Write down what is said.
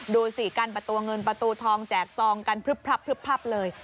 ดูสิกันประตูเงินประตูทองแจกซองกันพลึบพับเลย